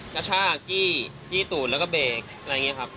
พาชากจี้ตูดแล้วเบรกอะไรอย่างนี้ครับ